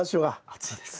暑いです。